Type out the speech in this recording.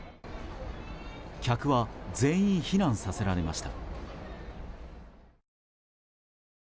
客は全員避難させられました。